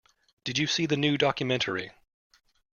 Did you see the new documentary?